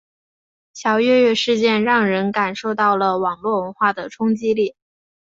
小月月事件让人感受到了网络文化的冲击力。